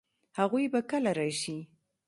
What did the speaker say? هغوی به کله راشي؟